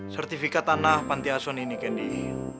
sertifikat tanah panti aswani ini candy